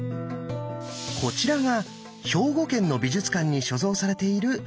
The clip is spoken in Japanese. こちらが兵庫県の美術館に所蔵されている「天正カルタ」。